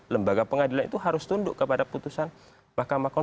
lembaga pengadilan itu harus tunduk kepada putusan mk